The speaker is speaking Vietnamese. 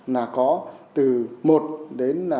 là có từ một đến